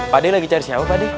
pak de lagi cari siapa pak de